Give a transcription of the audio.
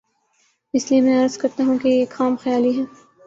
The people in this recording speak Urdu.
اس لیے میں عرض کرتا ہوں کہ یہ ایک خام خیالی ہے۔